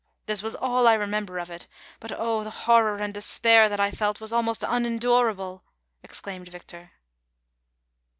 This was all I remember of it, but, O, the hoiTor and despair that I felt was almost unendura1)le," exclaimed Victor.